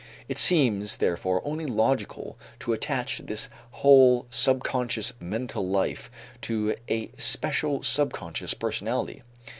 It seems, therefore, only logical to attach this whole subconscious mental life to a special subconscious personality.